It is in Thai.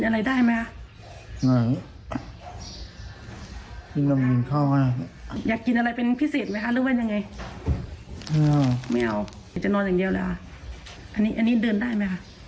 ลุงรู้สึกอาการเป็นไงบ้างเนื่อยแล้วลุงกินอะไรได้ไหม